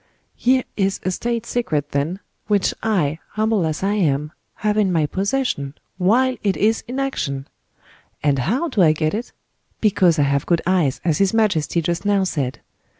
Here is a state secret, then, which I, humble as I am, have in my possession, while it is in action. And how do I get it? Because I have good eyes, as his majesty just now said.